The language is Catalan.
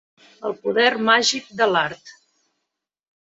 El poder màgic de l'art.